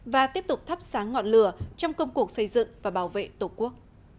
và tiếp tục thắp sáng ngọn lửa trong công cuộc xây dựng và bảo vệ tổ quốc